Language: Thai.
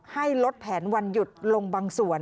ให้ลดแผนวันหยุดลงบางส่วน